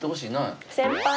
先輩！